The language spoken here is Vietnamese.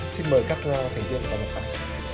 xin mời các thành viên và các bạn